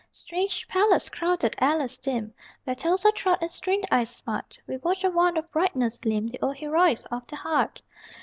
Strange palace! Crowded, airless, dim, Where toes are trod and strained eyes smart, We watch a wand of brightness limn The old heroics of the heart.